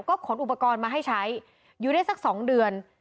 ก็ขนอุปกรณ์มาให้ใช้อยู่ได้สัก๒เดือน